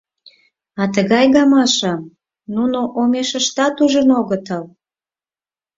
А тыгай гамашым нуно омешыштат ужын огытыл!